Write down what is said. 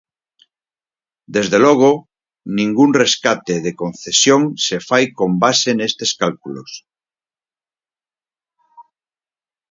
Desde logo, ningún rescate de concesión se fai con base nestes cálculos.